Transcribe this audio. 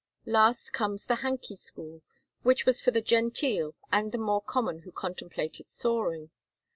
Last comes the Hanky School, which was for the genteel and for the common who contemplated soaring.